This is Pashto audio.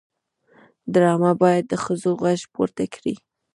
ډرامه باید د ښځو غږ پورته کړي